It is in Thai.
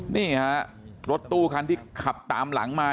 นี่ฮะรถตู้คันที่ขับตามหลังมา